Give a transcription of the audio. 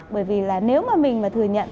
bởi vì là nếu mà mình mà thừa nhận